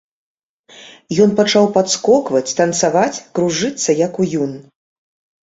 Ён пачаў падскокваць, танцаваць, кружыцца, як уюн.